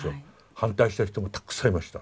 反対した人もたくさんいました。